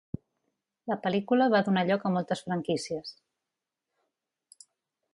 La pel·lícula va donar lloc a moltes franquícies.